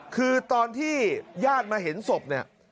คือตอนที่ญาติมาเห็นศพเนี่ย